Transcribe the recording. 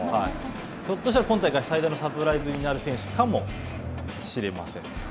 ひょっとしたら今大会、最大のサプライズになる選手かもしれません。